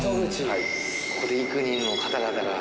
ここで幾人の方々が。